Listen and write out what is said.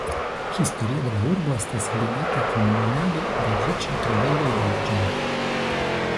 Historio de la urbo estas ligita kun minado de riĉaj trovejoj de arĝento.